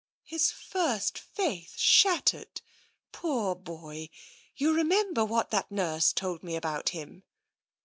His first faith shattered, poor boy. You remember what that nurse told me about him."